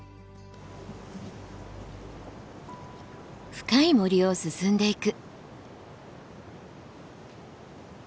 深い森を進んでいく。